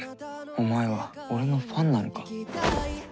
お前は俺のファンなのか？